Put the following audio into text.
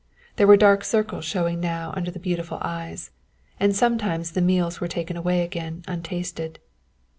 There were dark circles showing now under the beautiful eyes, and sometimes the meals were taken away again untasted.